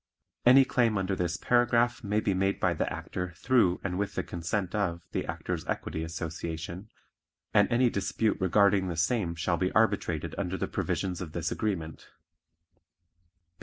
Any claim under this paragraph must be made by the Actor through and with the consent of the Actors' Equity Association and any dispute regarding the same shall be arbitrated under the provisions of this agreement.